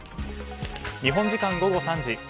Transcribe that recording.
日本時間午後３時。